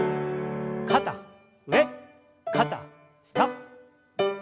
肩上肩下。